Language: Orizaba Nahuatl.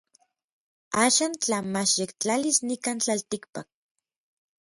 Axan tla machyektlalis nikan tlaltikpak.